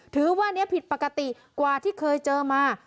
ถือว่านี้ผิดปกติกว่าที่เคยเจอมา